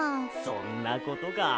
そんなことか。